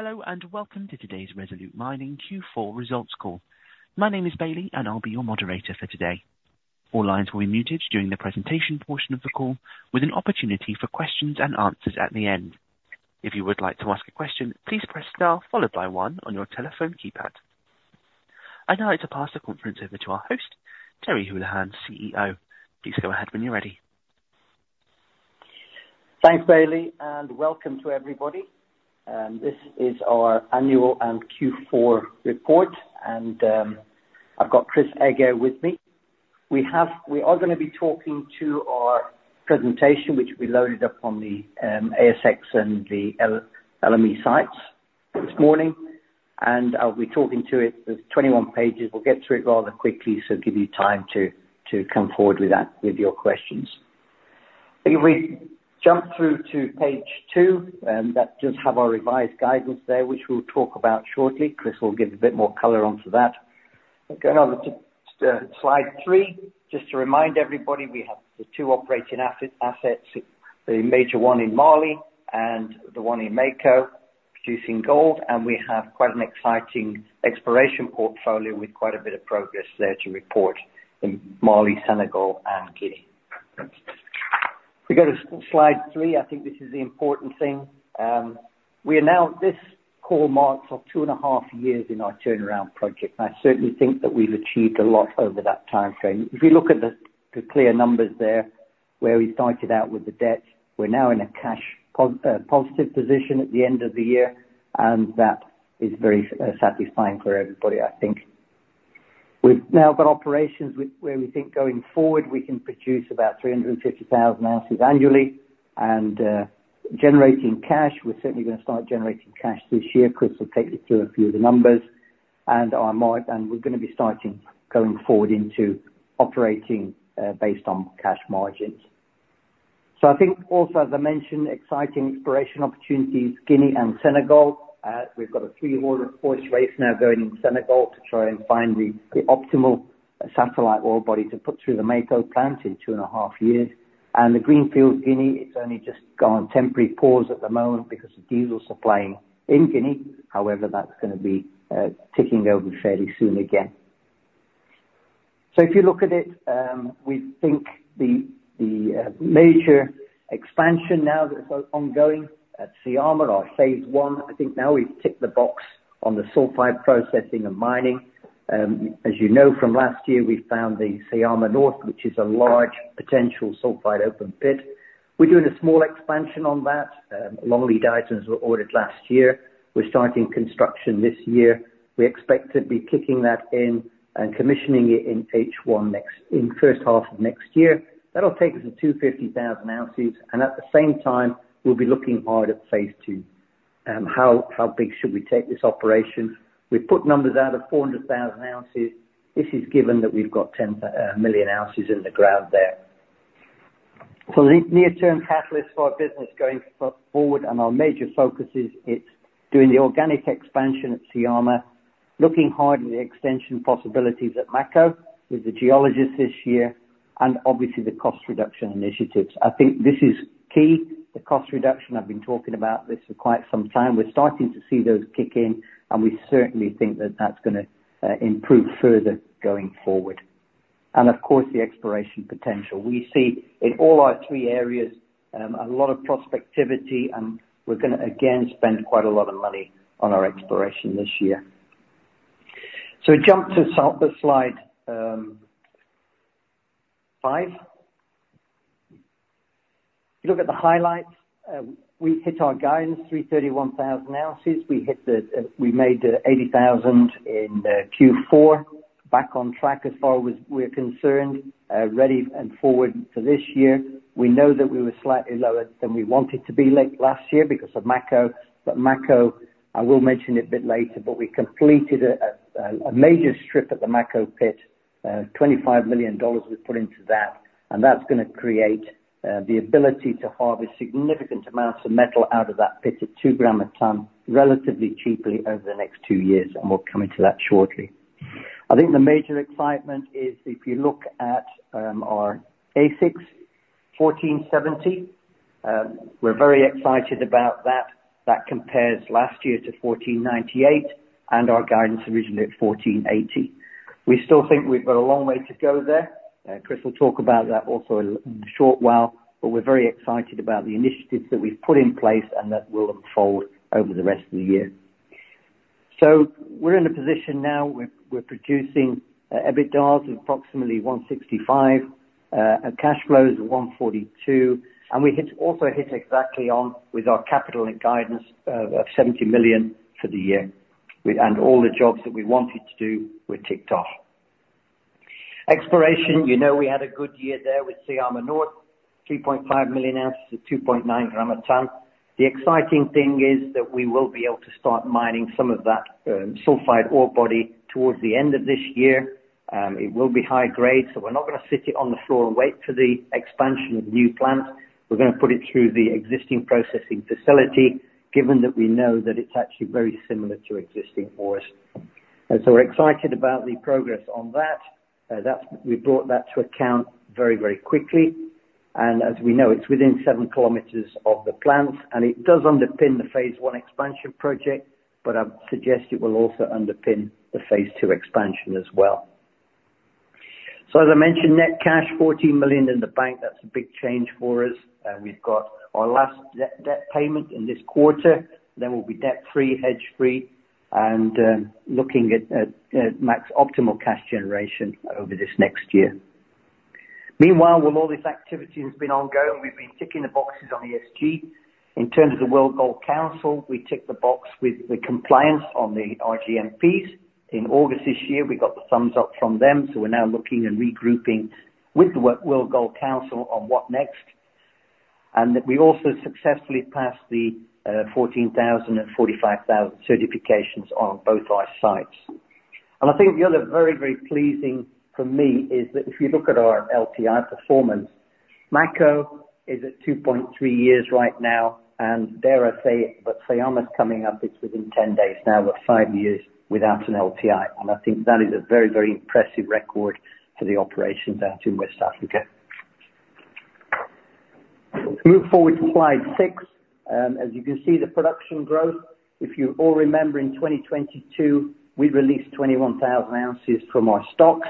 Hello, and welcome to today's Resolute Mining Q4 results call. My name is Bailey, and I'll be your moderator for today. All lines will be muted during the presentation portion of the call, with an opportunity for questions and answers at the end. If you would like to ask a question, please press star followed by one on your telephone keypad. I'd now like to pass the conference over to our host, Terry Holohan, CEO. Please go ahead when you're ready. Thanks, Bailey, and welcome to everybody. This is our annual and Q4 report, and I've got Chris Eger with me. We are gonna be talking to our presentation, which will be loaded up on the ASX and the LSE sites this morning, and I'll be talking to it. There's 21 pages. We'll get through it rather quickly, so it'll give you time to come forward with that, with your questions. If we jump through to page 2, that just have our revised guidance there, which we'll talk about shortly. Chris will give a bit more color onto that. Going on to slide three, just to remind everybody, we have the two operating assets, the major one in Mali and the one in Mako, producing gold, and we have quite an exciting exploration portfolio with quite a bit of progress there to report in Mali, Senegal, and Guinea. If we go to slide three, I think this is the important thing. We are now... This call marks of two and a half years in our turnaround project, and I certainly think that we've achieved a lot over that timeframe. If you look at the clear numbers there, where we started out with the debt, we're now in a cash positive position at the end of the year, and that is very satisfying for everybody, I think. We've now got operations where we think going forward, we can produce about 350,000 ounces annually, and generating cash, we're certainly gonna start generating cash this year. Chris will take you through a few of the numbers, and we're gonna be starting going forward into operating based on cash margins. So I think also, as I mentioned, exciting exploration opportunities, Guinea and Senegal. We've got a three-horse race now going in Senegal to try and find the optimal satellite ore body to put through the Mako plant in 2.5 years. The greenfield, Guinea, it's only just gone temporary pause at the moment because of diesel supplying in Guinea. However, that's gonna be ticking over fairly soon again. So if you look at it, we think the major expansion now that's ongoing at Syama, our phase one, I think now we've ticked the box on the sulfide processing and mining. As you know, from last year, we found the Syama North, which is a large potential sulfide open pit. We're doing a small expansion on that. Long lead items were ordered last year. We're starting construction this year. We expect to be kicking that in and commissioning it in H1 in first half of next year. That'll take us to 250,000 ounces, and at the same time, we'll be looking hard at phase two, how big should we take this operation? We've put numbers out of 400,000 ounces. This is given that we've got 10 million ounces in the ground there. So the near-term catalyst for our business going forward and our major focuses, it's doing the organic expansion at Syama, looking hard at the extension possibilities at Mako with the geologists this year, and obviously, the cost reduction initiatives. I think this is key. The cost reduction, I've been talking about this for quite some time. We're starting to see those kick in, and we certainly think that that's gonna improve further going forward. And of course, the exploration potential. We see in all our three areas a lot of prospectivity, and we're gonna, again, spend quite a lot of money on our exploration this year. So we jump to slide five. If you look at the highlights, we hit our guidance, 331,000 ounces. We hit the, we made the 80,000 in Q4, back on track as far as we're concerned, ready and forward for this year. We know that we were slightly lower than we wanted to be late last year because of Mako, but Mako, I will mention it a bit later, but we completed a major strip at the Mako pit. Twenty-five million dollars was put into that, and that's gonna create the ability to harvest significant amounts of metal out of that pit at 2 gram a ton, relatively cheaply over the next two years, and we'll come into that shortly. I think the major excitement is if you look at our AISC 1,470, we're very excited about that. That compares last year to 1,498, and our guidance originally at 1,480. We still think we've got a long way to go there. Chris will talk about that also in a short while, but we're very excited about the initiatives that we've put in place and that will unfold over the rest of the year. So we're in a position now where we're producing EBITDA of approximately $165 million and cash flows of $142 million, and we hit, also hit exactly on with our capital and guidance of $70 million for the year. And all the jobs that we wanted to do were ticked off. Exploration, you know, we had a good year there with Syama North, 3.5 million ounces to 2.9 g/t. The exciting thing is that we will be able to start mining some of that sulfide ore body towards the end of this year. It will be high grade, so we're not gonna sit it on the floor and wait for the expansion of the new plant. We're gonna put it through the existing processing facility, given that we know that it's actually very similar to existing ore. And so we're excited about the progress on that. That's. We brought that to account very, very quickly. And as we know, it's within seven kilometers of the plant, and it does underpin the phase one expansion project, but I would suggest it will also underpin the phase two expansion as well. So, as I mentioned, net cash, $14 million in the bank, that's a big change for us, and we've got our last debt payment in this quarter. Then we'll be debt-free, hedge-free, and looking at max optimal cash generation over this next year. Meanwhile, while all this activity has been ongoing, we've been ticking the boxes on ESG. In terms of the World Gold Council, we ticked the box with the compliance on the RGMPs. In August this year, we got the thumbs up from them, so we're now looking and regrouping with the World Gold Council on what next. And we also successfully passed the ISO 14001 and 45001 certifications on both our sites. And I think the other very, very pleasing for me is that if you look at our LTI performance, Mako is at 2.3 years right now, but Syama's coming up, it's within 10 days now, we're 5 years without an LTI. And I think that is a very, very impressive record for the operations out in West Africa. Move forward to slide 6. As you can see, the production growth, if you all remember, in 2022, we released 21,000 ounces from our stocks,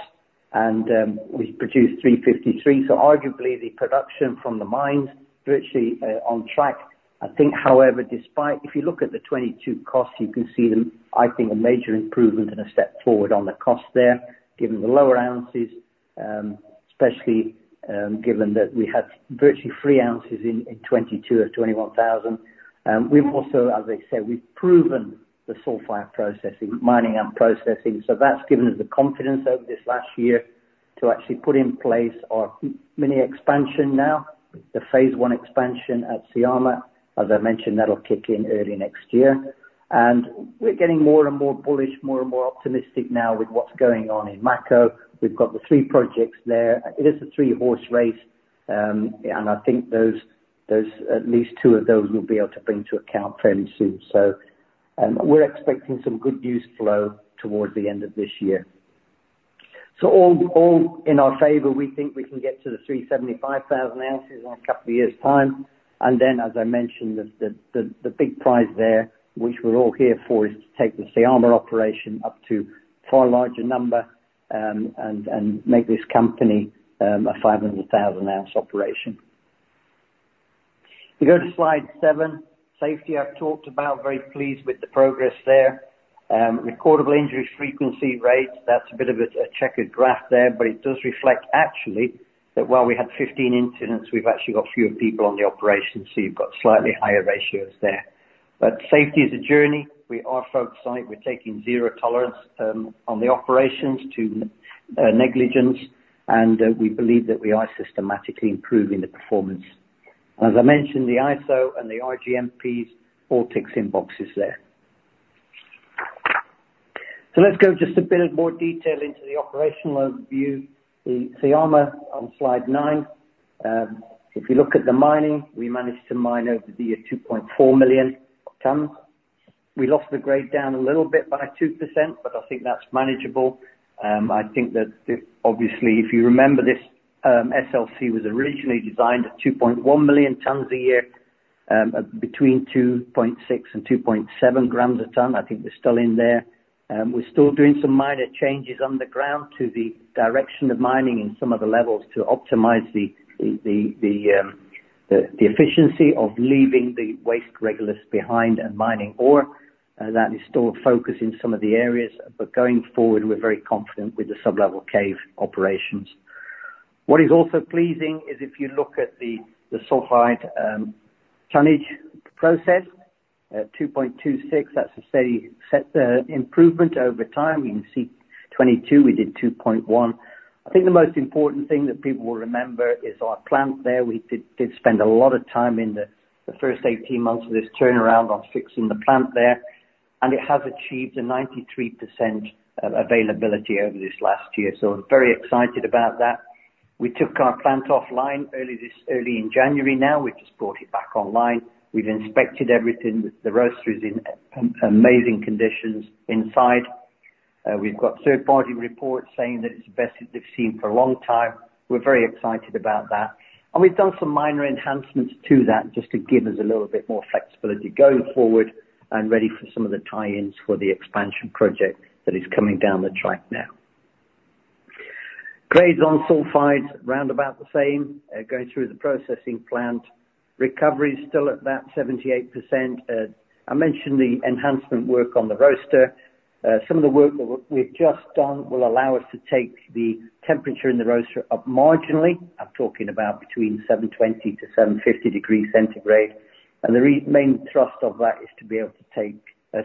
and we produced 353. So arguably, the production from the mines is virtually on track. I think, however, despite... If you look at the 2022 costs, you can see them, I think, a major improvement and a step forward on the cost there, given the lower ounces, especially, given that we had virtually 3 ounces in 2022 or 21,000. We've also, as I said, we've proven the sulfide processing, mining and processing. So that's given us the confidence over this last year to actually put in place our mini expansion now, the phase one expansion at Syama. As I mentioned, that'll kick in early next year. And we're getting more and more bullish, more and more optimistic now with what's going on in Mako. We've got the three projects there. It is a three-horse race, and I think those, at least two of those, we'll be able to bring to account fairly soon. So, we're expecting some good news flow towards the end of this year. So all in our favor, we think we can get to 375,000 ounces in a couple of years' time. And then, as I mentioned, the big prize there, which we're all here for, is to take the Syama operation up to far larger number, and make this company a 500,000 ounce operation. We go to slide 7. Safety, I've talked about, very pleased with the progress there. Recordable injury frequency rates, that's a bit of a checkered graph there, but it does reflect actually that while we had 15 incidents, we've actually got fewer people on the operation, so you've got slightly higher ratios there. But safety is a journey. We are focused on it. We're taking zero tolerance on the operations to negligence, and we believe that we are systematically improving the performance. As I mentioned, the ISO and the RGMPs all ticks in boxes there. So let's go just a bit more detail into the operational overview, the Syama on slide 9. If you look at the mining, we managed to mine over the year 2.4 million tons. We lost the grade down a little bit by 2%, but I think that's manageable. I think that, obviously, if you remember this, SLC was originally designed at 2.1 million tons a year, between 2.6 and 2.7 grams a ton. I think we're still in there. We're still doing some minor changes on the ground to the direction of mining in some of the levels to optimize the efficiency of leaving the waste regolith behind and mining ore. That is still a focus in some of the areas, but going forward, we're very confident with the sub-level cave operations. What is also pleasing is if you look at the sulfide tonnage process, 2.26, that's a steady set improvement over time. You can see 2022, we did 2.1. I think the most important thing that people will remember is our plant there. We did spend a lot of time in the first 18 months of this turnaround on fixing the plant there, and it has achieved a 93% availability over this last year. So I'm very excited about that. We took our plant offline early in January. Now, we've just brought it back online. We've inspected everything. The roaster is in amazing conditions inside. We've got third-party reports saying that it's the best that they've seen for a long time. We're very excited about that. And we've done some minor enhancements to that just to give us a little bit more flexibility going forward and ready for some of the tie-ins for the expansion project that is coming down the track now. Grades on sulfides, round about the same, going through the processing plant. Recovery is still at that 78%. I mentioned the enhancement work on the roaster. Some of the work that we've just done will allow us to take the temperature in the roaster up marginally. I'm talking about between 720-750 degrees centigrade. And the main thrust of that is to be able to take,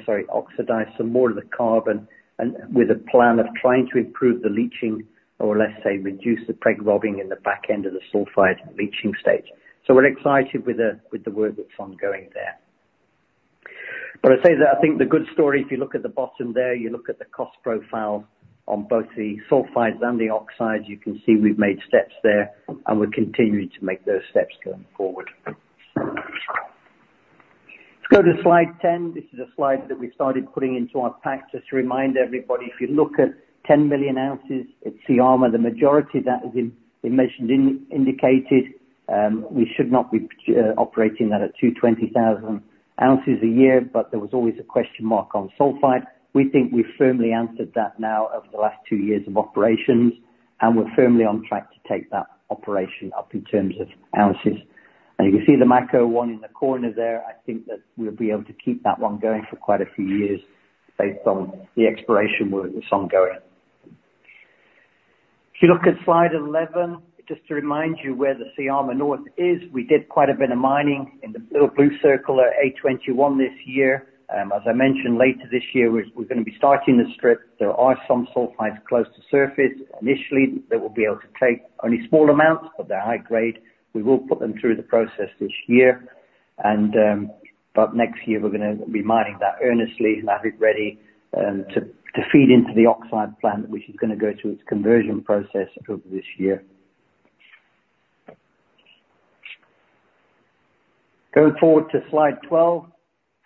sorry, oxidize some more of the carbon and with a plan of trying to improve the leaching, or let's say, reduce the preg robbing in the back end of the sulfide leaching stage. So we're excited with the work that's ongoing there. But I'd say that I think the good story, if you look at the bottom there, you look at the cost profile on both the sulfides and the oxides, you can see we've made steps there, and we're continuing to make those steps going forward. Let's go to slide 10. This is a slide that we started putting into our pack just to remind everybody, if you look at 10 million ounces at Syama, the majority of that has been indicated, we should not be operating that at 220,000 ounces a year, but there was always a question mark on sulfide. We think we've firmly answered that now over the last two years of operations, and we're firmly on track to take that operation up in terms of ounces. And you can see the Mako one in the corner there. I think that we'll be able to keep that one going for quite a few years based on the exploration work that's ongoing. If you look at slide 11, just to remind you where the Syama North is, we did quite a bit of mining in the little blue circle at A21 this year. As I mentioned, later this year, we're gonna be starting the strip. There are some sulfides close to surface. Initially, they will be able to take only small amounts, but they're high grade. We will put them through the process this year, and but next year, we're gonna be mining that earnestly and have it ready to feed into the oxide plant, which is gonna go through its conversion process over this year. Going forward to Slide 12,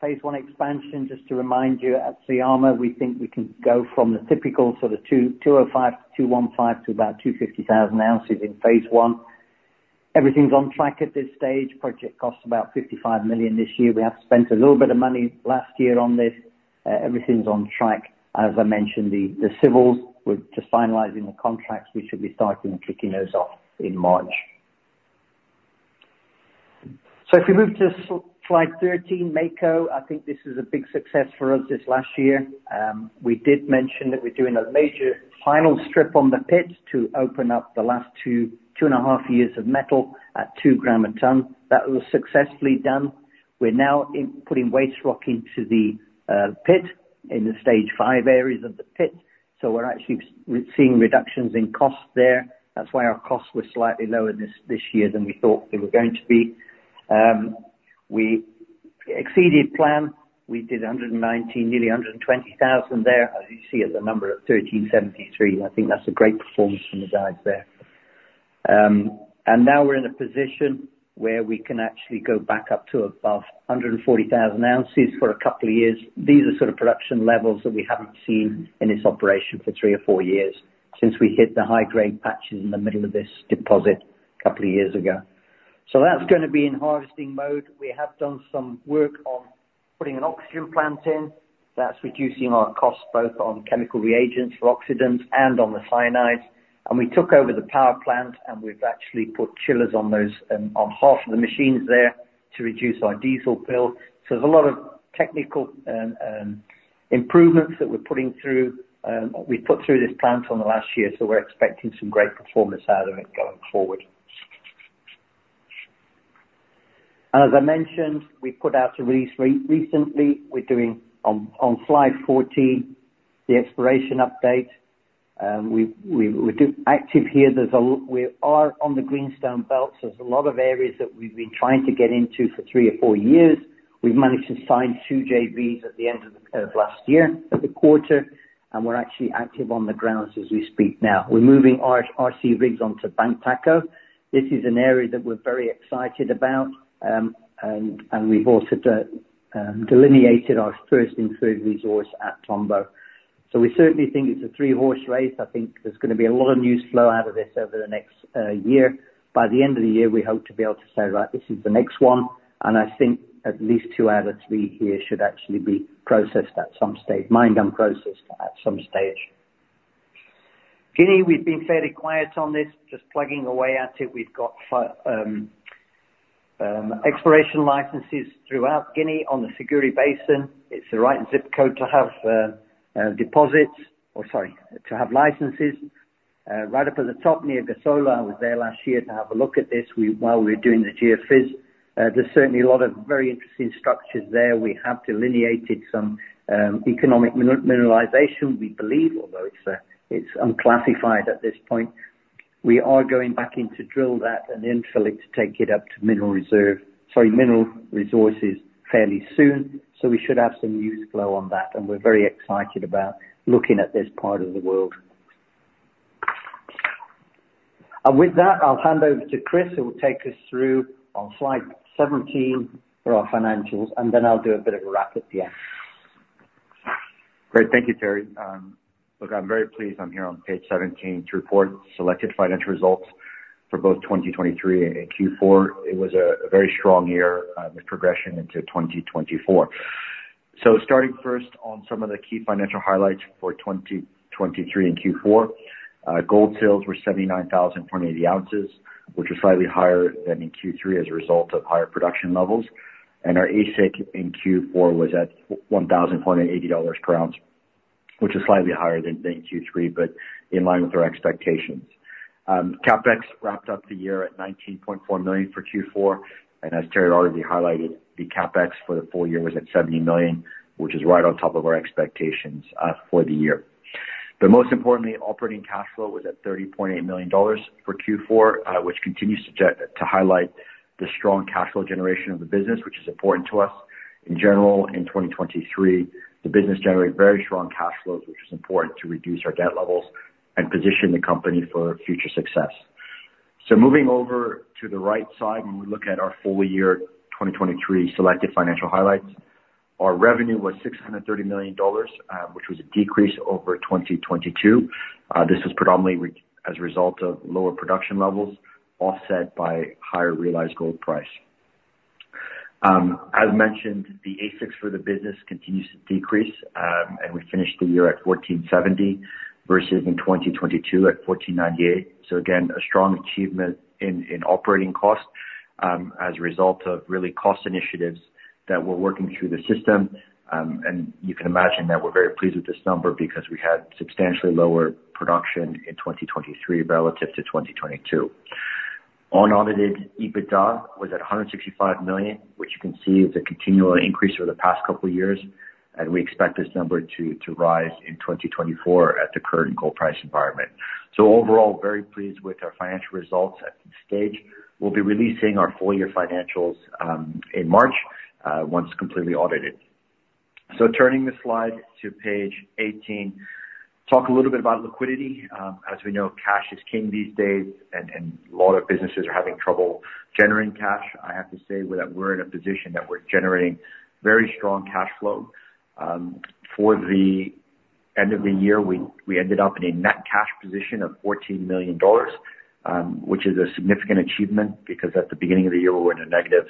phase one expansion, just to remind you, at Syama, we think we can go from the typical sort of 200-205 to 215 thousand ounces in phase one. Everything's on track at this stage. Project costs about $55 million this year. We have spent a little bit of money last year on this. Everything's on track. As I mentioned, the, the civils, we're just finalizing the contracts. We should be starting and kicking those off in March. So if you move to slide 13, Mako, I think this is a big success for us this last year. We did mention that we're doing a major final strip on the pit to open up the last 2 to 2.5 years of metal at 2 g/t. That was successfully done. We're now putting waste rock into the pit, in the stage five areas of the pit, so we're actually seeing reductions in cost there. That's why our costs were slightly lower this, this year than we thought they were going to be. We exceeded plan. We did 119, nearly 120,000 there. As you see, it's a number of $1,373. I think that's a great performance from the guys there. And now we're in a position where we can actually go back up to above 140,000 ounces for a couple of years. These are sort of production levels that we haven't seen in this operation for three or four years, since we hit the high-grade patches in the middle of this deposit a couple of years ago. So that's gonna be in harvesting mode. We have done some work on putting an oxygen plant in. That's reducing our costs, both on chemical reagents for oxidants and on the cyanide. And we took over the power plant, and we've actually put chillers on those, on half of the machines there to reduce our diesel bill. So there's a lot of technical improvements that we're putting through, we've put through this plant on the last year, so we're expecting some great performance out of it going forward. As I mentioned, we put out a lease recently. We're doing on slide 14, the exploration update. We're active here. We are on the Greenstone Belt. There's a lot of areas that we've been trying to get into for three or four years. We've managed to sign two JVs at the end of last year, at the quarter, and we're actually active on the grounds as we speak now. We're moving our RC rigs onto Bantaco. This is an area that we're very excited about, and we've also delineated our first inferred resource at Tomboronkoto. So we certainly think it's a three-horse race. I think there's gonna be a lot of news flow out of this over the next year. By the end of the year, we hope to be able to say, "Right, this is the next one," and I think at least two out of three here should actually be processed at some stage, mined and processed at some stage. Guinea, we've been fairly quiet on this, just plugging away at it. We've got exploration licenses throughout Guinea on the Siguiri Basin. It's the right zip code to have deposits, or sorry, to have licenses. Right up at the top Niagassola, I was there last year to have a look at this, while we were doing the geophys. There's certainly a lot of very interesting structures there. We have delineated some economic mineralization, we believe, although it's unclassified at this point. We are going back in to drill that and then fill it to take it up to mineral reserve, sorry, mineral resources fairly soon. So we should have some news flow on that, and we're very excited about looking at this part of the world. And with that, I'll hand over to Chris, who will take us through on slide 17 for our financials, and then I'll do a bit of a wrap at the end. Great. Thank you, Terry. Look, I'm very pleased I'm here on page 17 to report selected financial results for both 2023 and Q4. It was a very strong year with progression into 2024. So starting first on some of the key financial highlights for 2023 and Q4. Gold sales were 79,080 ounces, which was slightly higher than in Q3 as a result of higher production levels, and our AISC in Q4 was at $1,080 per ounce, which is slightly higher than Q3, but in line with our expectations. CapEx wrapped up the year at $19.4 million for Q4, and as Terry already highlighted, the CapEx for the full year was at $70 million, which is right on top of our expectations for the year. But most importantly, operating cash flow was at $30.8 million for Q4, which continues to highlight the strong cash flow generation of the business, which is important to us. In general, in 2023, the business generated very strong cash flows, which is important to reduce our debt levels and position the company for future success. So moving over to the right side, when we look at our full year 2023 selected financial highlights, our revenue was $630 million, which was a decrease over 2022. This is predominantly as a result of lower production levels, offset by higher realized gold price. As mentioned, the AISC for the business continues to decrease, and we finished the year at 1,470, versus in 2022 at 1,498. So again, a strong achievement in operating costs, as a result of really cost initiatives that we're working through the system. And you can imagine that we're very pleased with this number because we had substantially lower production in 2023 relative to 2022. Unaudited EBITDA was at $165 million, which you can see is a continual increase over the past couple of years, and we expect this number to rise in 2024 at the current gold price environment. So overall, very pleased with our financial results at this stage. We'll be releasing our full year financials in March once completely audited. So turning the slide to page 18, talk a little bit about liquidity. As we know, cash is king these days, and a lot of businesses are having trouble generating cash. I have to say that we're in a position that we're generating very strong cash flow. For the end of the year, we ended up in a net cash position of $14 million, which is a significant achievement, because at the beginning of the year, we were in a negative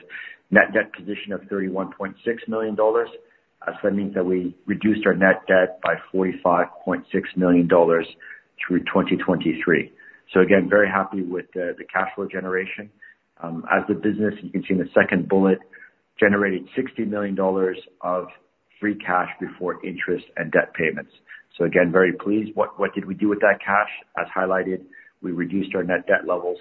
net debt position of $31.6 million. So that means that we reduced our net debt by $45.6 million through 2023. So again, very happy with the cash flow generation. As a business, you can see in the second bullet, generating $60 million of free cash before interest and debt payments. So again, very pleased. What did we do with that cash? As highlighted, we reduced our net debt levels,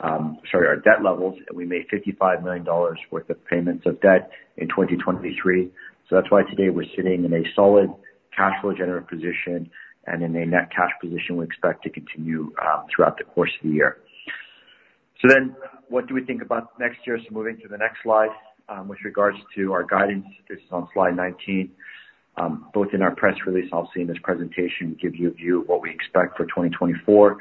sorry, our debt levels, and we made $55 million worth of payments of debt in 2023. So that's why today we're sitting in a solid cash flow generative position and in a net cash position we expect to continue throughout the course of the year. So then, what do we think about next year? So moving to the next slide, with regards to our guidance, this is on slide 19. Both in our press release, and obviously in this presentation, gives you a view of what we expect for 2024.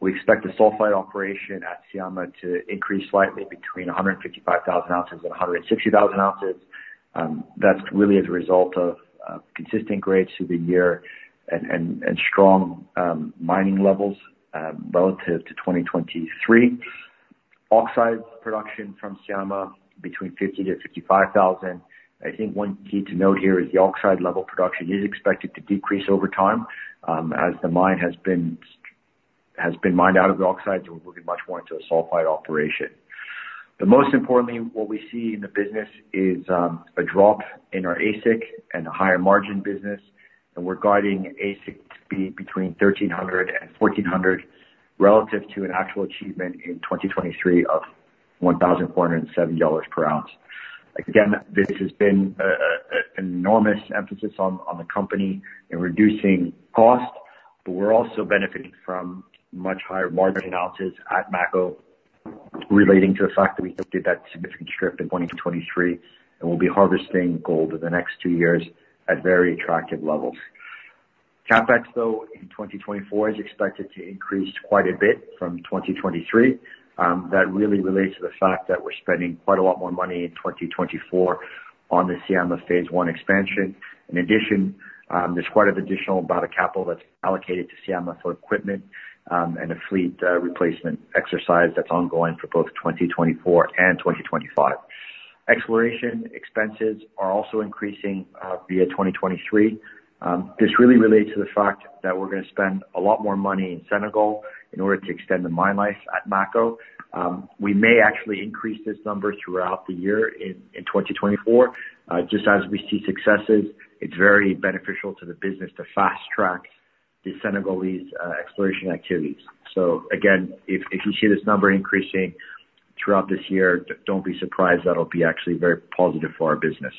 We expect the sulfide operation at Syama to increase slightly between 155,000 ounces and 160,000 ounces. That's really as a result of consistent grades through the year and strong mining levels relative to 2023. Oxide production from Syama between 50-55 thousand. I think one key to note here is the oxide level production is expected to decrease over time as the mine has been mined out of the oxide, so we'll be much more into a sulfide operation. But most importantly, what we see in the business is a drop in our AISC and the higher margin business, and we're guiding AISC to be between $1,300 and $1,400, relative to an actual achievement in 2023 of $1,470 per ounce. Again, this has been an enormous emphasis on the company in reducing cost, but we're also benefiting from much higher margin ounces at Mako, relating to the fact that we took that significant strip in 2023, and we'll be harvesting gold over the next two years at very attractive levels. CapEx, though, in 2024, is expected to increase quite a bit from 2023. That really relates to the fact that we're spending quite a lot more money in 2024 on the Syama phase one expansion. In addition, there's quite a bit of additional CapEx that's allocated to Syama for equipment, and a fleet replacement exercise that's ongoing for both 2024 and 2025. Exploration expenses are also increasing over 2023. This really relates to the fact that we're gonna spend a lot more money in Senegal in order to extend the mine life at Mako. We may actually increase this number throughout the year in 2024. Just as we see successes, it's very beneficial to the business to fast track the Senegalese exploration activities. So again, if you see this number increasing throughout this year, don't be surprised, that'll be actually very positive for our business.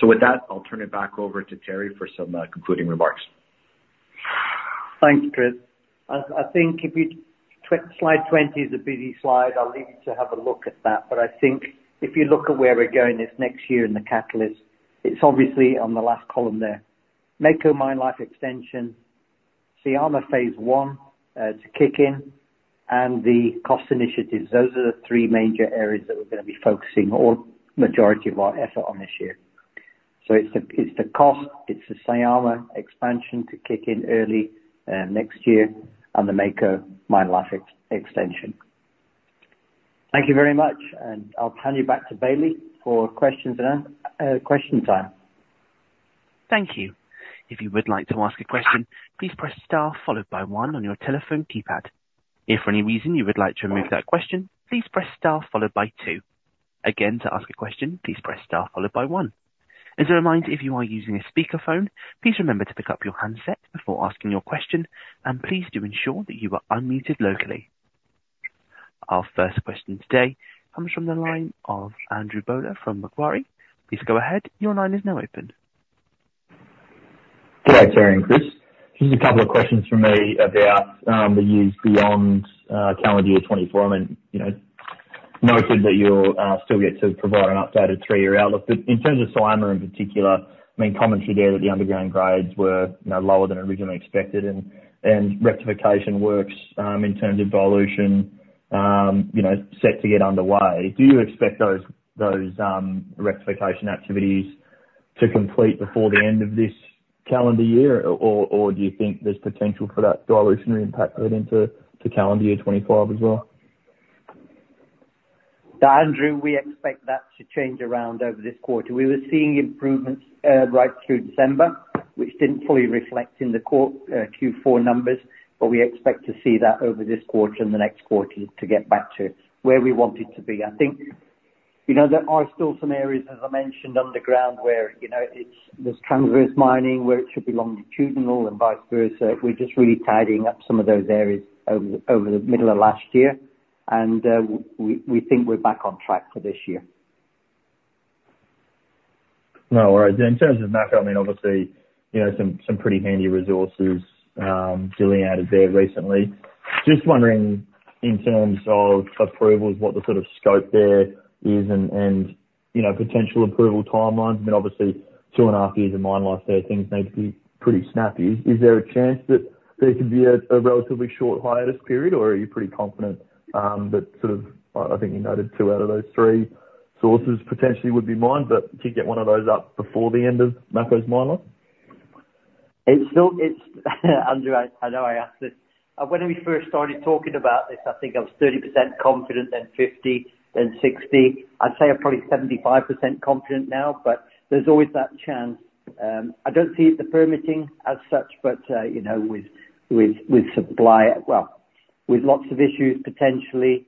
So with that, I'll turn it back over to Terry for some concluding remarks. Thanks, Chris. I think if you... slide 20 is a busy slide. I'll leave you to have a look at that, but I think if you look at where we're going this next year in the catalyst, it's obviously on the last column there. Mako mine life extension, Syama phase one to kick in, and the cost initiatives. Those are the three major areas that we're gonna be focusing all majority of our effort on this year. So it's the, it's the cost, it's the Syama expansion to kick in early next year and the Mako mine life extension. Thank you very much, and I'll turn you back to Bailey for questions and question time. Thank you. If you would like to ask a question, please press star followed by one on your telephone keypad. If for any reason you would like to remove that question, please press star followed by two. Again, to ask a question, please press star followed by one. As a reminder, if you are using a speakerphone, please remember to pick up your handset before asking your question, and please do ensure that you are unmuted locally. Our first question today comes from the line of Andrew Bowler from Macquarie. Please go ahead. Your line is now open. Good day, Terry and Chris. Just a couple of questions from me about the years beyond calendar year 2024. I mean, you know, noted that you'll still get to provide an updated three-year outlook. But in terms of Syama in particular, I mean, commentary there that the underground grades were, you know, lower than originally expected, and rectification works in terms of dilution, you know, set to get underway. Do you expect those rectification activities to complete before the end of this calendar year, or do you think there's potential for that dilutionary impact going into calendar year 2025 as well? Andrew, we expect that to change around over this quarter. We were seeing improvements, right through December, which didn't fully reflect in the quarter, Q4 numbers, but we expect to see that over this quarter and the next quarter to get back to where we want it to be. I think, you know, there are still some areas, as I mentioned, underground, where, you know, it's, there's transverse mining, where it should be longitudinal and vice versa. We're just really tidying up some of those areas over, over the middle of last year, and, we, we think we're back on track for this year. No worries. In terms of Mako, I mean, obviously, you know, some pretty handy resources delineated there recently. Just wondering, in terms of approvals, what the sort of scope there is and you know, potential approval timelines. I mean, obviously, 2.5 years of mine life there, things need to be pretty snappy. Is there a chance that there could be a relatively short hiatus period, or are you pretty confident that sort of, I think you noted two out of those three sources potentially would be mined, but could you get one of those up before the end of Mako's mine life? It's still, it's Andrew, I know I asked this. When we first started talking about this, I think I was 30% confident, then 50%, then 60%. I'd say I'm probably 75% confident now, but there's always that chance. I don't see it, the permitting, as such, but, you know, with, with, with supply, well, with lots of issues potentially,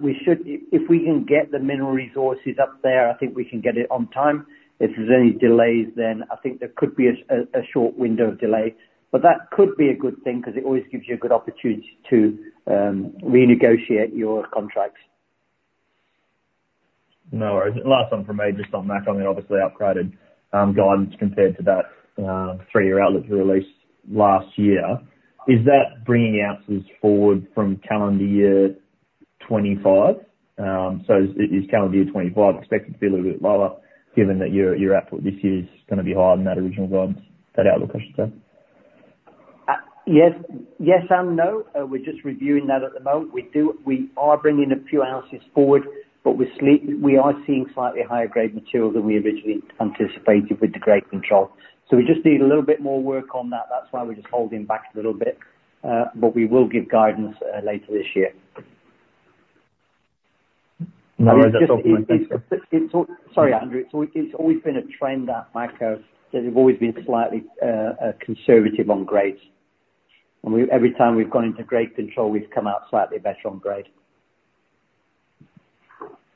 we should. If we can get the mineral resources up there, I think we can get it on time. If there's any delays, then I think there could be a short window of delay. But that could be a good thing, 'cause it always gives you a good opportunity to renegotiate your contracts. No worries. Last one from me, just on Mako. I mean, obviously upgraded guidance compared to that three-year outlook release last year. Is that bringing ounces forward from calendar year 2025? So is calendar year 2025 expected to be a little bit lower, given that your output this year is gonna be higher than that original guidance, that outlook, I should say? Yes. Yes and no. We're just reviewing that at the moment. We are bringing a few ounces forward, but we are seeing slightly higher grade material than we originally anticipated with the grade control. So we just need a little bit more work on that. That's why we're just holding back a little bit, but we will give guidance later this year. No worries. It's... Sorry, Andrew. It's always been a trend at Mako that we've always been slightly conservative on grades. And every time we've gone into grade control, we've come out slightly better on grade.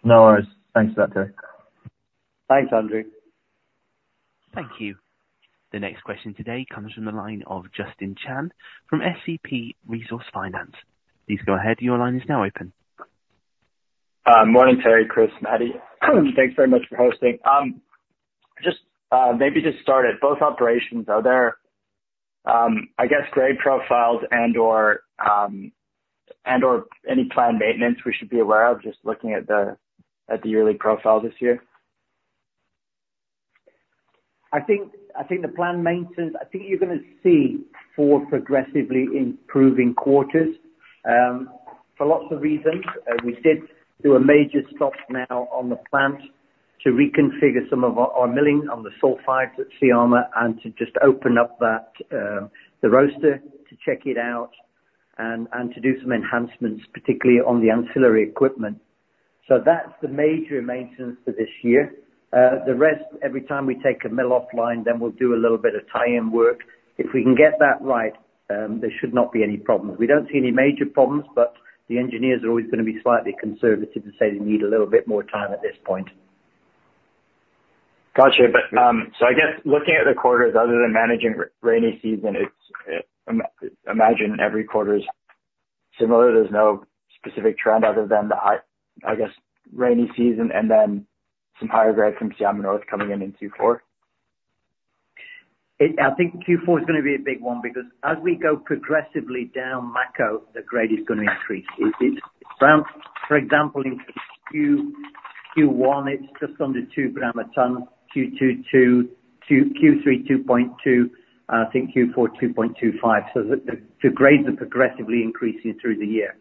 No worries. Thanks for that, Terry. Thanks, Andrew. Thank you. The next question today comes from the line of Justin Chan from SCP Resource Finance. Please go ahead. Your line is now open. Morning, Terry, Chris, Mattie. Thanks very much for hosting. Just, maybe just start at both operations. Are there, I guess, grade profiles and/or, and/or any planned maintenance we should be aware of, just looking at the, at the yearly profile this year? I think, I think the planned maintenance, I think you're gonna see four progressively improving quarters, for lots of reasons. We did do a major stop now on the plant to reconfigure some of our, our milling on the sulfides at Syama, and to just open up that, the roaster, to check it out, and, and to do some enhancements, particularly on the ancillary equipment. So that's the major maintenance for this year. The rest, every time we take a mill offline, then we'll do a little bit of tie-in work. If we can get that right, there should not be any problems. We don't see any major problems, but the engineers are always gonna be slightly conservative and say they need a little bit more time at this point. Gotcha. But, so I guess looking at the quarters, other than managing rainy season, it's, I imagine every quarter is similar. There's no specific trend other than the high, I guess, rainy season and then some higher grades from Syama North coming in in Q4? I think Q4 is gonna be a big one, because as we go progressively down Mako, the grade is gonna increase. Around, for example, in Q1, it's just under 2 gram a ton, Q2, 2, Q3, 2.2, and I think Q4, 2.25. So the grades are progressively increasing through the year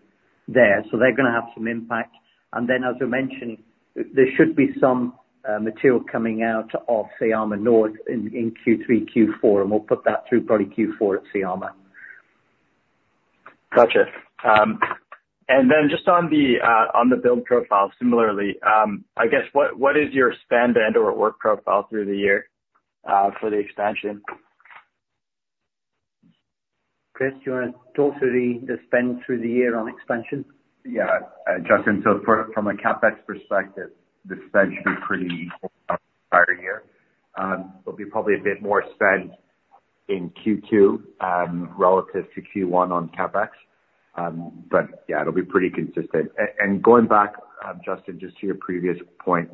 there, so they're gonna have some impact. And then, as I mentioned, there should be some material coming out of Syama North in Q3, Q4, and we'll put that through probably Q4 at Syama. Gotcha. And then just on the build profile, similarly, I guess, what is your spend and/or work profile through the year for the expansion? Chris, do you wanna talk to the spend through the year on expansion? Yeah. Justin, so from a CapEx perspective, the spend should be pretty equal throughout the entire year. There'll be probably a bit more spend in Q2, relative to Q1 on CapEx. But yeah, it'll be pretty consistent. And going back, Justin, just to your previous point,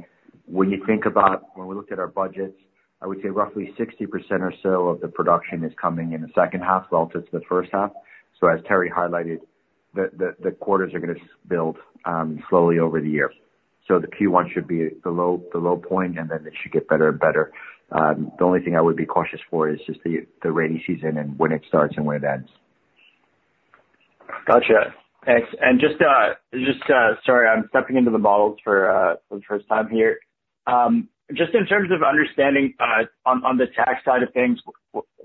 when you think about, when we looked at our budgets, I would say roughly 60% or so of the production is coming in the second half relative to the first half. So as Terry highlighted, the quarters are going to build slowly over the year. So the Q1 should be the low point, and then it should get better and better. The only thing I would be cautious for is just the rainy season and when it starts and when it ends. Gotcha. Thanks. And just, sorry, I'm stepping into the models for the first time here. Just in terms of understanding, on the tax side of things,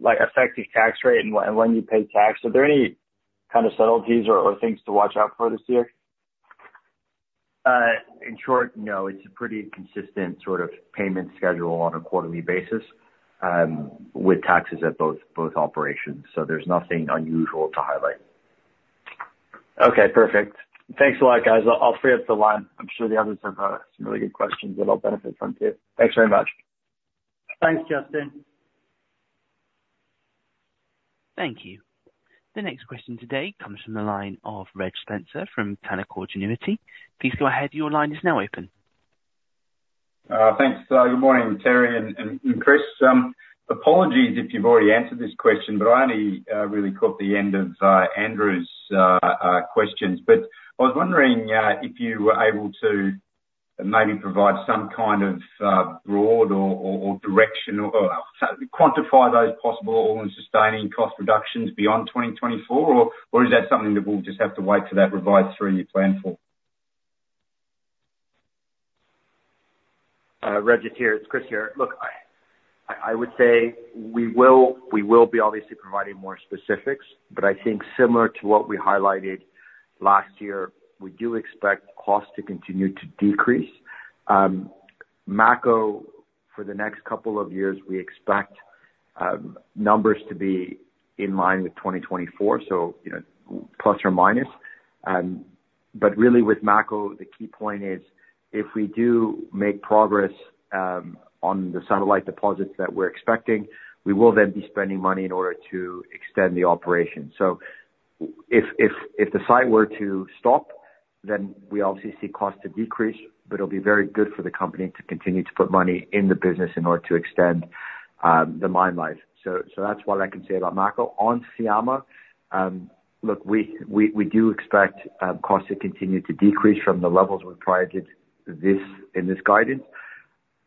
like, effective tax rate and when you pay tax, are there any kind of subtleties or things to watch out for this year? In short, no. It's a pretty consistent sort of payment schedule on a quarterly basis, with taxes at both, both operations, so there's nothing unusual to highlight. Okay, perfect. Thanks a lot, guys. I'll free up the line. I'm sure the others have some really good questions that I'll benefit from too. Thanks very much. Thanks, Justin. Thank you. The next question today comes from the line of Reg Spencer from Canaccord Genuity. Please go ahead. Your line is now open. Thanks, good morning, Terry and Chris. Apologies if you've already answered this question, but I only really caught the end of Andrew's questions. I was wondering if you were able to maybe provide some kind of broad or directional or quantify those possible and sustaining cost reductions beyond 2024? Or is that something that we'll just have to wait till that provides through your plan for? Reg, it's Chris here. Look, I would say we will be obviously providing more specifics, but I think similar to what we highlighted last year, we do expect costs to continue to decrease. Mako, for the next couple of years, we expect numbers to be in line with 2024, so you know, plus or minus. But really with Mako, the key point is, if we do make progress on the satellite deposits that we're expecting, we will then be spending money in order to extend the operation. So if the site were to stop, then we obviously see costs to decrease, but it'll be very good for the company to continue to put money in the business in order to extend the mine life. So that's what I can say about Mako. On Syama, look, we do expect costs to continue to decrease from the levels we've targeted this in this guidance.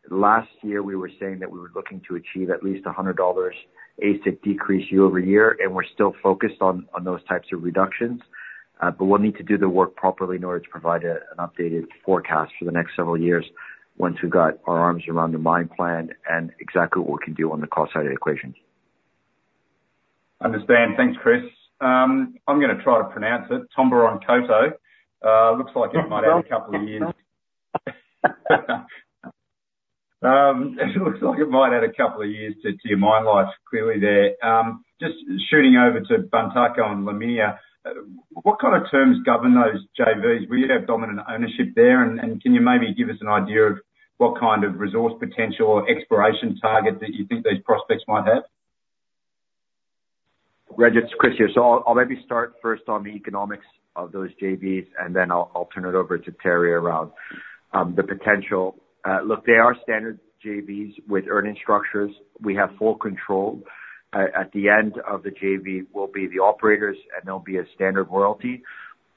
Last year, we were saying that we were looking to achieve at least $100 AISC decrease year-over-year, and we're still focused on those types of reductions. But we'll need to do the work properly in order to provide an updated forecast for the next several years once we've got our arms around the mine plan and exactly what we can do on the cost side of the equation. Understand. Thanks, Chris. I'm gonna try to pronounce it, Tomboronkoto. Looks like it might add a couple of years. It looks like it might add a couple of years to, to your mine life, clearly there. Just shooting over to Bantaco and Laminia, what kind of terms govern those JVs, where you'd have dominant ownership there? And, and can you maybe give us an idea of what kind of resource potential or exploration target that you think those prospects might have? Reg, it's Chris here. So I'll, I'll maybe start first on the economics of those JVs, and then I'll, I'll turn it over to Terry around, the potential. Look, they are standard JVs with earning structures. We have full control. At the end of the JV, we'll be the operators, and there'll be a standard royalty.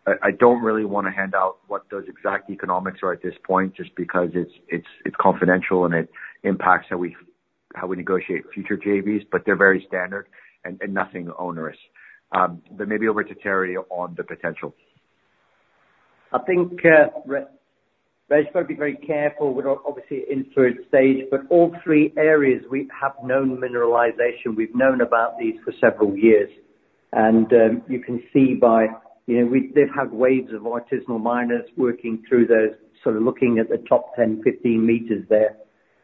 I, I don't really want to hand out what those exact economics are at this point, just because it's, it's, it's confidential, and it impacts how we, how we negotiate future JVs, but they're very standard and, and nothing onerous. But maybe over to Terry on the potential. I think, Reg, you've got to be very careful. We're obviously in fluid stage, but all three areas we have known mineralization, we've known about these for several years. And you can see by, you know, they've had waves of artisanal miners working through those, sort of looking at the top 10, 15 meters there,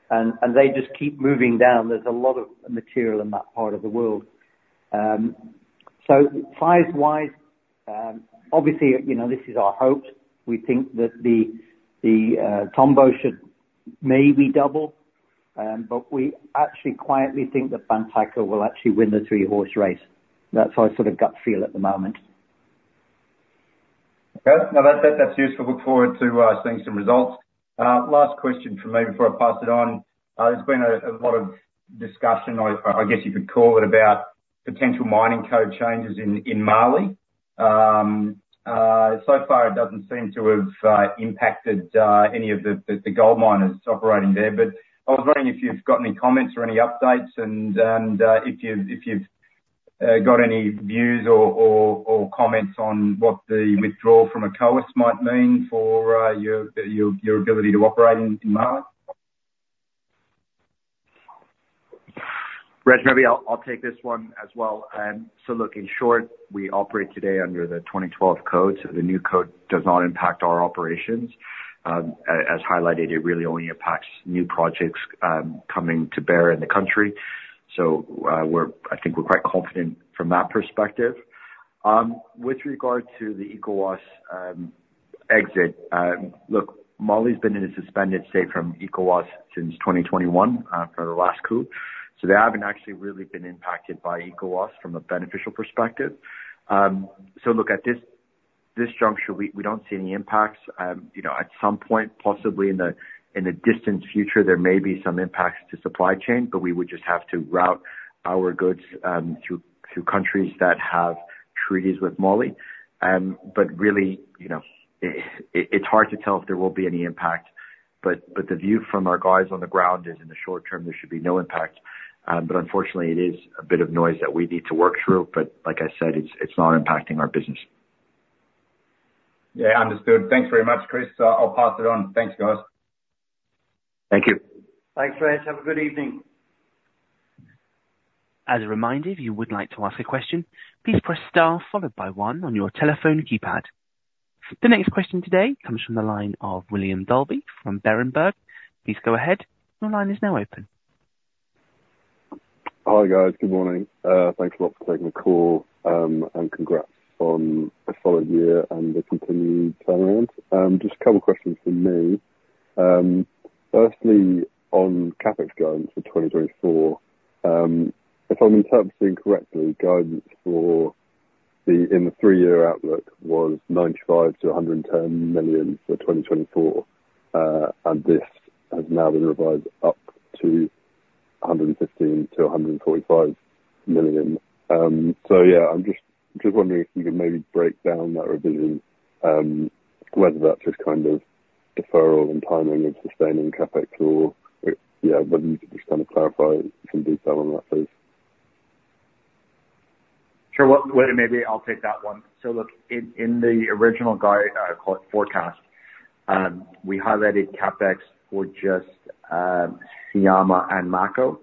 and they just keep moving down. There's a lot of material in that part of the world. So size-wise, obviously, you know, this is our hopes. We think that the Tomboronkoto should maybe double, but we actually quietly think that Bantaco will actually win the three-horse race. That's how I sort of gut feel at the moment. Okay. No, that, that's useful. Look forward to seeing some results. Last question from me before I pass it on. There's been a lot of discussion, I guess you could call it, about potential mining code changes in Mali. So far, it doesn't seem to have impacted any of the gold miners operating there. But I was wondering if you've got any comments or any updates, and if you've got any views or comments on what the withdrawal from ECOWAS might mean for your ability to operate in Mali? Reg, maybe I'll take this one as well. So look, in short, we operate today under the 2012 code. So the new code does not impact our operations. As highlighted, it really only impacts new projects coming to bear in the country. So, I think we're quite confident from that perspective. With regard to the ECOWAS exit, look, Mali's been in a suspended state from ECOWAS since 2021, for the last coup. So they haven't actually really been impacted by ECOWAS from a beneficial perspective. So look, at this juncture, we don't see any impacts. You know, at some point, possibly in the distant future, there may be some impacts to supply chain, but we would just have to route our goods through countries that have treaties with Mali. But really, you know, it's hard to tell if there will be any impact, but the view from our guys on the ground is, in the short term, there should be no impact. But unfortunately, it is a bit of noise that we need to work through, but like I said, it's not impacting our business. Yeah, understood. Thanks very much, Chris. I'll pass it on. Thanks, guys. Thank you. Thanks, guys. Have a good evening. As a reminder, if you would like to ask a question, please press star followed by one on your telephone keypad. The next question today comes from the line of William Dalby from Berenberg. Please go ahead. Your line is now open. Hi, guys. Good morning. Thanks a lot for taking the call, and congrats on a solid year and the continued turnaround. Just a couple questions from me. Firstly, on CapEx guidance for 2024, if I'm interpreting correctly, guidance for the, in the three-year outlook was $95 million-$110 million for 2024, and this has now been revised up to $115 million-$145 million. So yeah, I'm just, just wondering if you could maybe break down that revision, whether that's just kind of deferral and timing of sustaining CapEx or, yeah, whether you could just kind of clarify some detail on that, please. Sure. Well, William, maybe I'll take that one. So look, in the original guide, call it forecast, we highlighted CapEx for just Syama and Mako,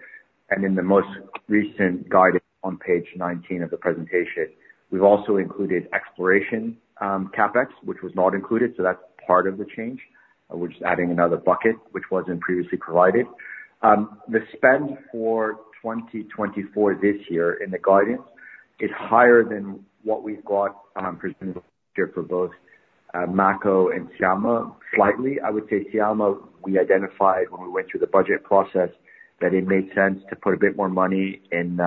and in the most recent guidance on page 19 of the presentation, we've also included exploration CapEx, which was not included, so that's part of the change. We're just adding another bucket, which wasn't previously provided. The spend for 2024 this year in the guidance is higher than what we've got, presumably here for both Mako and Syama. Slightly, I would say Syama, we identified when we went through the budget process, that it made sense to put a bit more money in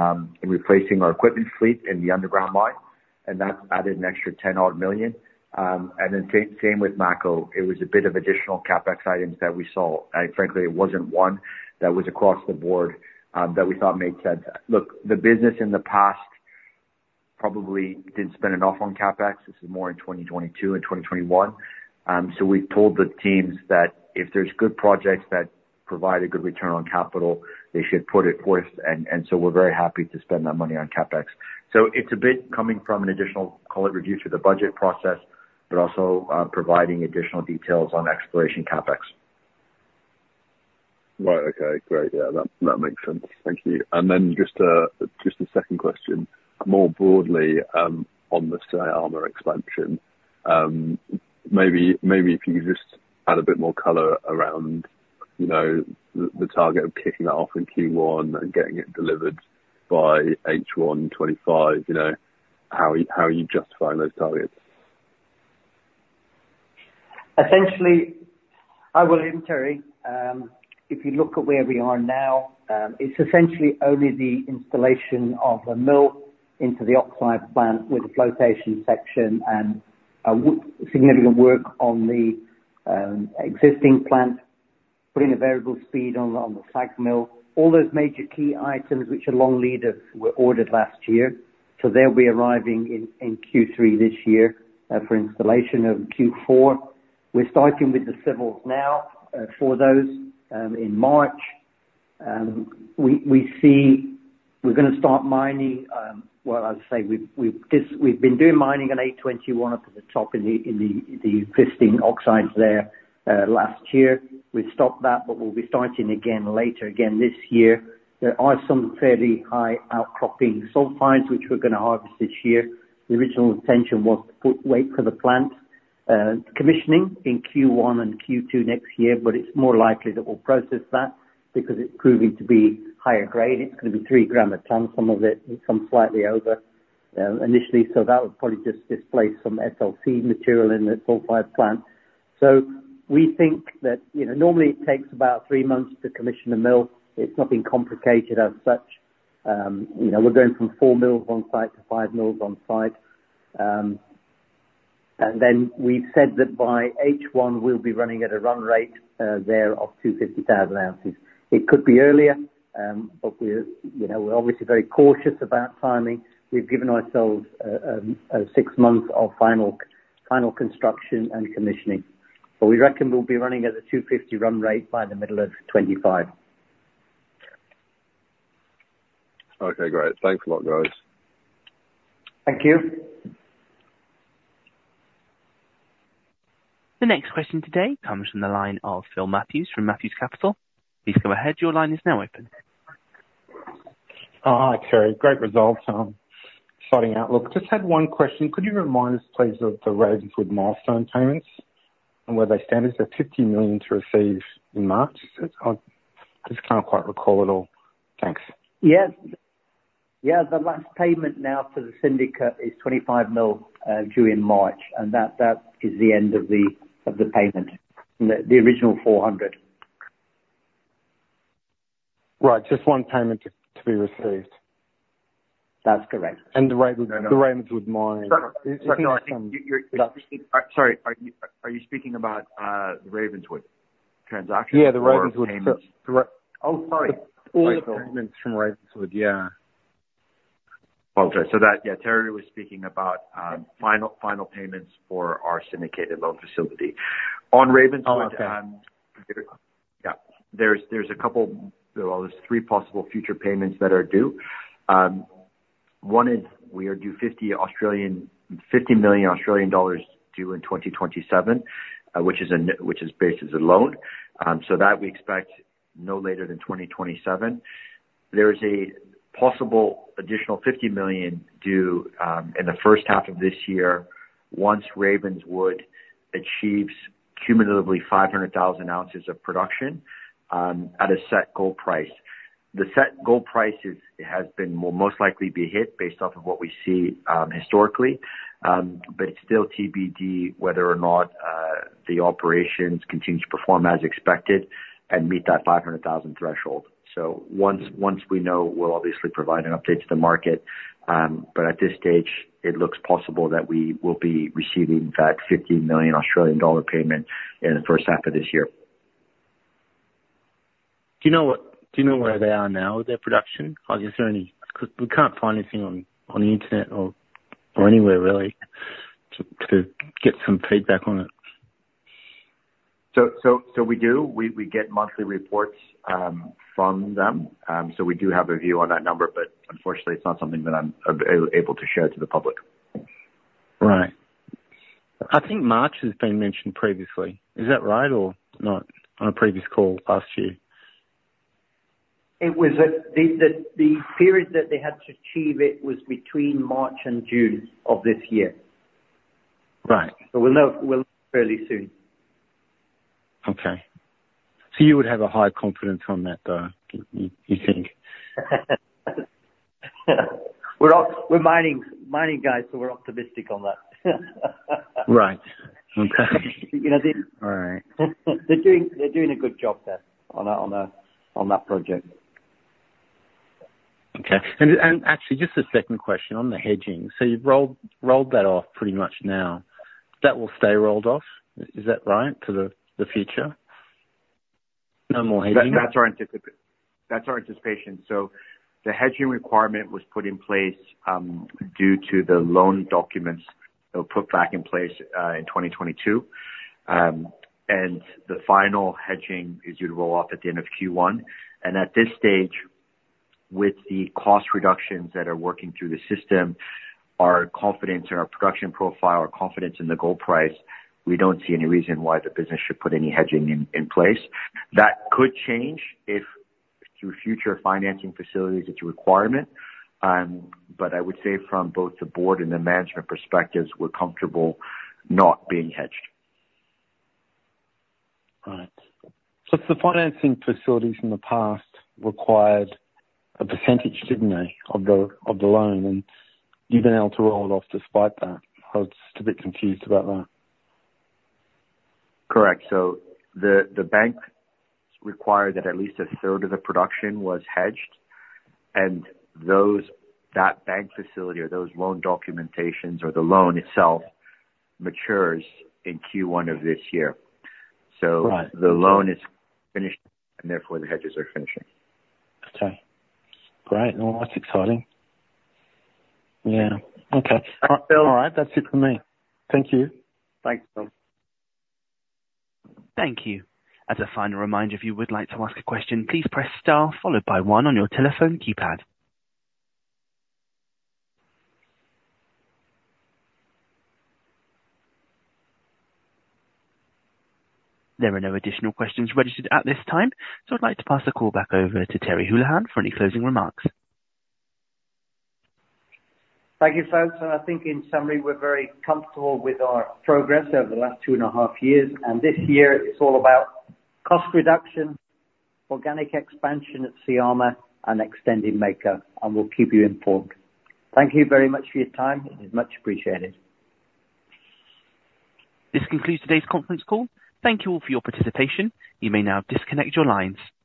replacing our equipment fleet in the underground mine, and that's added an extra $10-odd million. And then same, same with Mako. It was a bit of additional CapEx items that we saw. And frankly, it wasn't one that was across the board that we thought made sense. Look, the business in the past probably didn't spend enough on CapEx. This is more in 2022 and 2021. So we've told the teams that if there's good projects that provide a good return on capital, they should put it forth, and so we're very happy to spend that money on CapEx. So it's a bit coming from an additional, call it review to the budget process, but also providing additional details on exploration CapEx. Right. Okay, great. Yeah, that makes sense. Thank you. And then just a second question. More broadly, on the Syama expansion, maybe if you could just add a bit more color around, you know, the target of kicking that off in Q1 and getting it delivered by H1 2025, you know, how are you justifying those targets? Essentially, hi, William. Terry. If you look at where we are now, it's essentially only the installation of a mill into the oxide plant with a flotation section and significant work on the existing plant, putting a variable speed on the SAG mill. All those major key items, which are long lead, were ordered last year, so they'll be arriving in Q3 this year for installation in Q4. We're starting with the civils now for those in March. We're gonna start mining, well, I would say we've been doing mining in A21 up at the top in the existing oxides there last year. We've stopped that, but we'll be starting again later this year. There are some fairly high outcropping sulfides, which we're gonna harvest this year. The original intention was to put weight for the plant commissioning in Q1 and Q2 next year, but it's more likely that we'll process that because it's proving to be higher grade. It's gonna be 3 g/t, some of it, some slightly over, initially, so that would probably just displace some SLC material in the sulfide plant. So we think that, you know, normally it takes about 3 months to commission a mill. It's nothing complicated as such. You know, we're going from 4 mills on site to 5 mills on site. And then we've said that by H1, we'll be running at a run rate there of 250,000 ounces. It could be earlier, but we're, you know, we're obviously very cautious about timing. We've given ourselves a six-month of final construction and commissioning. But we reckon we'll be running at a 250 run rate by the middle of 2025. Okay, great. Thanks a lot, guys. Thank you. The next question today comes from the line of Phil Matthews, from Matthews Capital. Please go ahead. Your line is now open. Hi, Terry. Great results, starting outlook. Just had one question: Could you remind us, please, of the Ravenswood milestone payments and where they stand? Is there $50 million to receive in March? I just can't quite recall it all. Thanks. Yeah. The last payment now for the syndicate is $25 million, due in March, and that is the end of the payment, the original $400 million.... Right, just one payment to, to be received? That's correct. And the Ravenswood mine- Sorry, are you, are you speaking about the Ravenswood transaction? Yeah, the Ravenswood- Oh, sorry. Payments from Ravenswood. Yeah. Okay. So that, yeah, Terry was speaking about final payments for our syndicated loan facility. On Ravenswood, yeah, there's a couple, well, there's three possible future payments that are due. One is we are due 50 million Australian dollars due in 2027, which is based as a loan. So that we expect no later than 2027. There is a possible additional 50 million due in the first half of this year, once Ravenswood achieves cumulatively 500,000 ounces of production at a set gold price. The set gold price is, has been, will most likely be hit based off of what we see historically. But it's still TBD whether or not the operations continue to perform as expected and meet that 500,000 threshold. So once we know, we'll obviously provide an update to the market, but at this stage, it looks possible that we will be receiving that 50 million Australian dollar payment in the first half of this year. Do you know where they are now with their production? Are there any... 'Cause we can't find anything on the internet or anywhere really to get some feedback on it. So we do. We get monthly reports from them. So we do have a view on that number, but unfortunately, it's not something that I'm able to share to the public. Right. I think March has been mentioned previously. Is that right or not, on a previous call last year? It was that the period that they had to achieve it was between March and June of this year. Right. We'll know, we'll know fairly soon. Okay. So you would have a high confidence on that, though, you think? We're mining, mining guys, so we're optimistic on that. Right. Okay. You know, the- All right. They're doing a good job there, on that project. Okay. Actually, just a second question on the hedging. So you've rolled that off pretty much now. That will stay rolled off, is that right, for the future? No more hedging? That's our anticipation. So the hedging requirement was put in place due to the loan documents that were put back in place in 2022. The final hedging is due to roll off at the end of Q1. At this stage, with the cost reductions that are working through the system, our confidence in our production profile, our confidence in the gold price, we don't see any reason why the business should put any hedging in place. That could change if, through future financing facilities, it's a requirement, but I would say from both the board and the management perspectives, we're comfortable not being hedged. Right. So the financing facilities in the past required a percentage, didn't they, of the, of the loan, and you've been able to roll it off despite that? I was just a bit confused about that. Correct. So the banks required that at least a third of the production was hedged, and that bank facility or those loan documentations or the loan itself matures in Q1 of this year. Right. The loan is finished, and therefore the hedges are finishing. Okay. Great. Well, that's exciting. Yeah. Okay. Thanks, Phil. All right. That's it for me. Thank you. Thanks, Phil. Thank you. As a final reminder, if you would like to ask a question, please press star followed by one on your telephone keypad. There are no additional questions registered at this time, so I'd like to pass the call back over to Terry Holohan for any closing remarks. Thank you, folks. I think in summary, we're very comfortable with our progress over the last two and a half years, and this year is all about cost reduction, organic expansion at Syama, and extending Mako, and we'll keep you informed. Thank you very much for your time. It is much appreciated. This concludes today's conference call. Thank you all for your participation. You may now disconnect your lines.